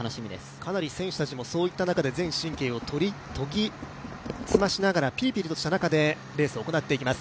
かなり選手たちも全神経を研ぎ澄ましながらピリピリとした中でレースを行っていきます。